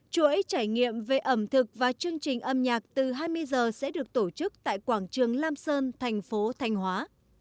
chuỗi trải nghiệm về ẩm thực và chương trình âm nhạc từ hai mươi h sẽ được tổ chức tại quảng trường lam sơn thành phố thanh hóa